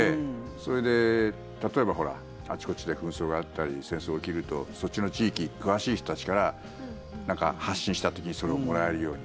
それで、例えばあちこちで紛争があったり戦争が起きるとそっちの地域に詳しい人たちから何か発信した時にそれをもらえるように。